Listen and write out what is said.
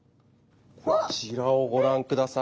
こちらをご覧ください。